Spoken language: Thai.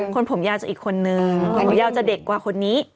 คนผมยาวจะอีกคนนึงผมยาวจะเด็กกว่าคนนี้